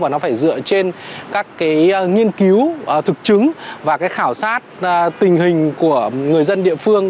nó phải dựa trên các cái nghiên cứu thực chứng và cái khảo sát tình hình của người dân địa phương